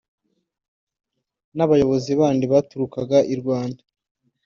n’abayobozi bandi baturukaga i Rwanda